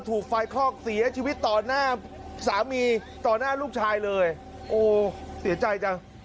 ถูกไฟคลอกเสียชีวิตต่อหน้าสามีต่อหน้าลูกชายเลยโอ้เสียใจจัง